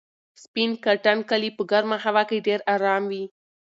سپین کاټن کالي په ګرمه هوا کې ډېر ارام وي.